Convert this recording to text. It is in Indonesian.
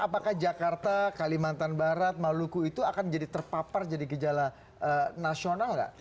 apakah jakarta kalimantan barat maluku itu akan jadi terpapar jadi gejala nasional nggak